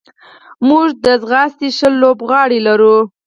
موږ د ځغاستې ښه لوبغاړي لرو.